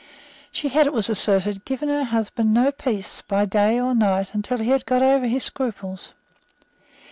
She had, it was asserted, given her husband no peace by day or by night till he had got over his scruples.